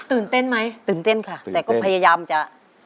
ตื่นเต้นไหมตื่นเต้นค่ะแต่ก็พยายามจะ